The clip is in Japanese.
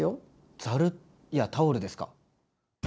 ざる？やタオルですか？